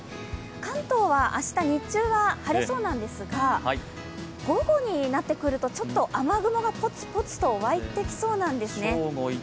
関東は明日、日中は晴れそうなんですが、午後になってくると雨雲がポツポツと湧いてきそうなんですね。